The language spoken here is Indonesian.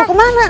gak mau kemana